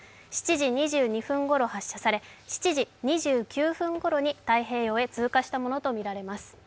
７時２２分ごろ発射され、７時２９分ごろに太平洋へ通過したものとみられます。